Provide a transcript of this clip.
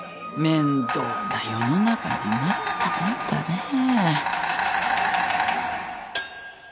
面倒な世の中になったもんだねぇ。